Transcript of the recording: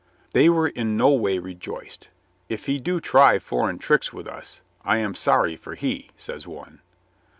They were in no way rejoiced. "If he do try for eign tricks with us, I am sorry for he," says one.